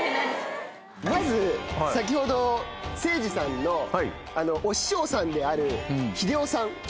まず先ほど征爾さんのお師匠さんである秀雄さん。